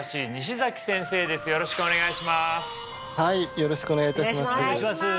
よろしくお願いいたします気∪萓